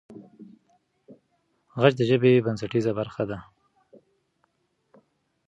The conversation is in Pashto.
خج د ژبې بنسټیزه برخه ده.